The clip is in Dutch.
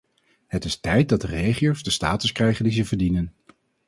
Het is tijd dat de regio's de status krijgen die ze verdienen.